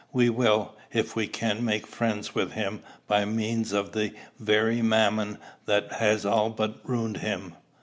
We will, if we can, make friends with him by means of the very Mammon that has all but ruined him."